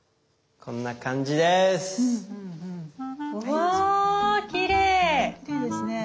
こんな感じです。